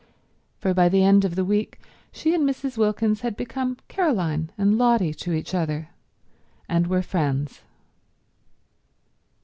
For, by the end of the week, she and Mrs. Wilkins had become Caroline and Lotty to each other, and were friends.